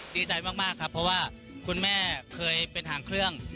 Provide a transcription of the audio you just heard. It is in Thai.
ดีใจมากครับเพราะว่าคุณแม่เคยเป็นหางเครื่อง